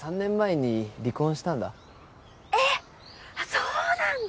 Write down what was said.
そうなんだ！